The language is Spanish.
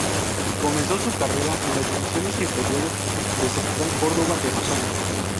Comenzó su carrera en las divisiones inferiores de Central Córdoba de Rosario.